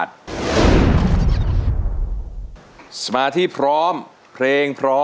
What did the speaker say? โชคชะตาโชคชะตา